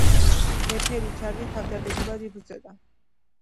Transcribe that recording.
მეფე რიჩარდი თავდადებულად იბრძოდა.